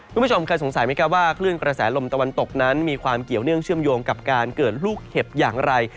คุณผู้ชมเคยสงสัยไหมครับว่าคลื่นกระแสลมตะวันตกนั้นมีความเกี่ยวเนื่องเชื่อมโยงกับการเกิดลูกเห็บอย่างไร